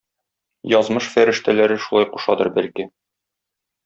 Язмыш фәрештәләре шулай кушадыр бәлки?